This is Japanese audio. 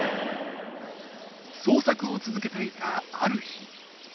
捜索を続けていたある日。